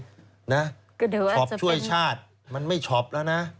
ก็เดี๋ยวอาจจะเป็นชอบช่วยชาติมันไม่ชอบแล้วนะ